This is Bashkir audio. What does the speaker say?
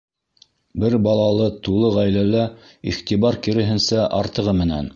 Бер балалы тулы ғаиләлә иғтибар, киреһенсә, артығы менән.